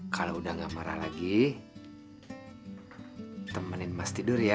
kalau udah gak marah lagi temenin mas tidur ya